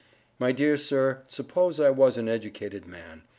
My Dear Sir suppose I was an educated man.